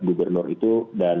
gubernur itu dan